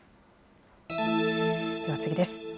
では次です。